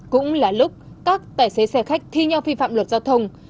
cũng là lúc các tài xế xe khách thi nhau vi phạm luật giao thông